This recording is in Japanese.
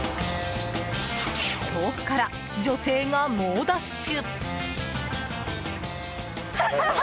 遠くから女性が猛ダッシュ。